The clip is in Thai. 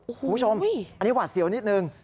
คุณผู้ชมอันนี้หวาดเสียวนิดนึง